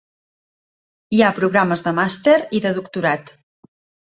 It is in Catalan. Hi ha programes de màster i de doctorat.